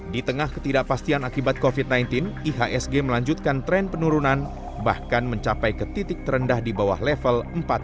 di tengah ketidakpastian akibat covid sembilan belas ihsg melanjutkan tren penurunan bahkan mencapai ke titik terendah di bawah level empat